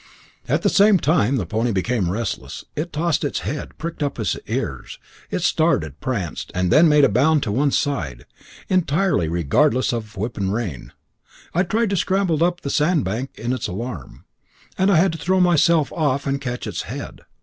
At the same time the pony became restless, it tossed its head, pricked up its ears, it started, pranced, and then made a bound to one side, entirely regardless of whip and rein. It tried to scramble up the sand bank in its alarm, and I had to throw myself off and catch its head.